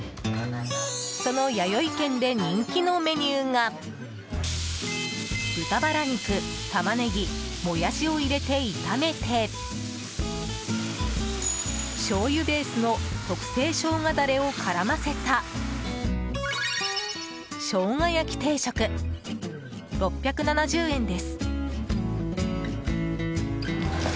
そのやよい軒で人気のメニューが豚バラ肉、タマネギモヤシを入れて、炒めてしょうゆベースの特製ショウガダレを絡ませたしょうが焼定食、６７０円です。